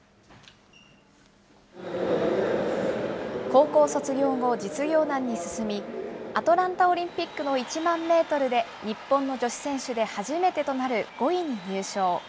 高校卒業後、実業団に進みアトランタオリンピックの１万メートルで日本の女子選手で初めてとなる５位に入賞。